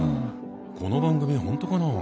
この番組本当かな？